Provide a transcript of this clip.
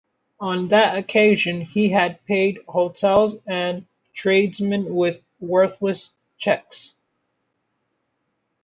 On that occasion he had paid hotels and tradesmen with worthless cheques.